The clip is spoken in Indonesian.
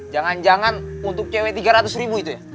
jangan jangan untuk cewek tiga ratus ribu itu ya